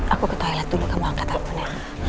aku ke toilet dulu kamu angkat ampun ya